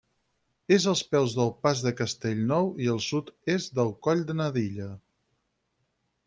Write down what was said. És als peus del Pas de Castellnou i al sud-est del Coll Nadilla.